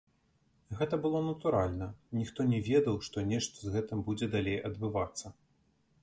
Гэта было натуральна, ніхто не ведаў, што нешта з гэтым будзе далей адбывацца.